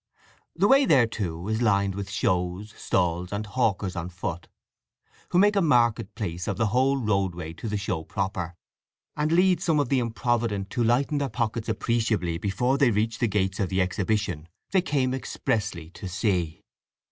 The way thereto is lined with shows, stalls, and hawkers on foot, who make a market place of the whole roadway to the show proper, and lead some of the improvident to lighten their pockets appreciably before they reach the gates of the exhibition they came expressly to see.